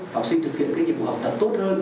học sinh thực hiện nhiệm vụ học tập